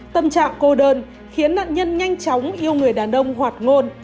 tâm trạng cô đơn khiến nạn nhân nhanh chóng yêu người đàn ông hoạt ngôn